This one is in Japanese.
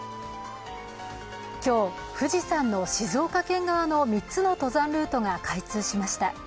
今日、富士山の静岡県側の３つの登山ルートが開通しました。